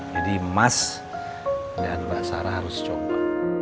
jadi mas dan mbak sarah harus coba